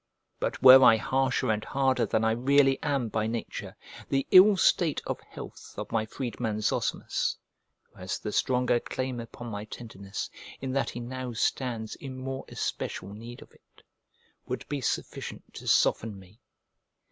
But were I harsher and harder than I really am by nature, the ill state of health of my freedman Zosimus (who has the stronger claim upon my tenderness, in that he now stands in more especial need of it) would be sufficient to soften me.